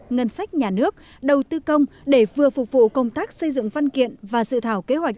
ngân sách nhà nước đầu tư công để vừa phục vụ công tác xây dựng văn kiện và sự thảo kế hoạch